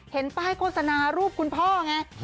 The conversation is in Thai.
เห็นป้ายโฆษณารูปคุณพ่อไง